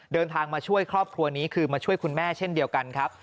เดินทางมาช่วยครอบครัวนี้คือมาช่วยคุณแม่เช่นเดียวกันครับ